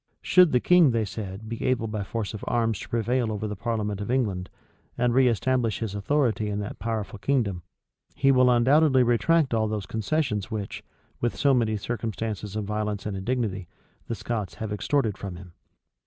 Should the king, they said, be able by force of arms to prevail over the parliament of England, and reestablish his authority in that powerful kingdom, he will undoubtedly retract all those concessions which, with so many circumstances of violence and indignity, the Scots have extorted from him.